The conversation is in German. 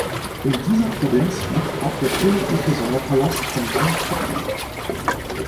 In dieser Provinz liegt auch der königliche Sommerpalast von Bang Pa-in.